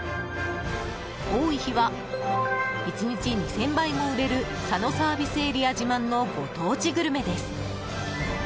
多い日は１日２０００杯も売れる佐野ＳＡ自慢のご当地グルメです。